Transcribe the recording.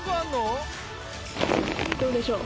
どうでしょう？